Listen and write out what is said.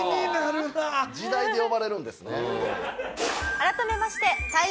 時代で呼ばれるんですね。